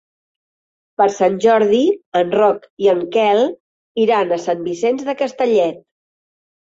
Per Sant Jordi en Roc i en Quel iran a Sant Vicenç de Castellet.